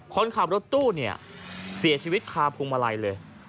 คนขับรถตู้เนี่ยเสียชีวิตคาพวงมาลัยเลย